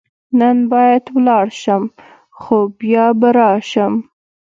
نن باید ولاړ شم، خو بیا به راشم.